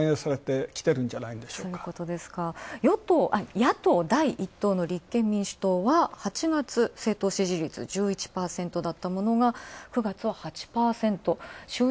野党第１党の立憲民主党は、８月、政党支持率１１％だったのが９月は８％。